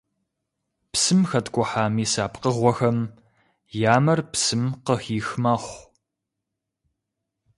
Псым хэткӀухьа мис а пкъыгъуэхэм я мэр псым къыхих мэхъу.